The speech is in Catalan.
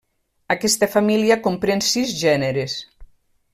Aquesta família comprèn sis gèneres.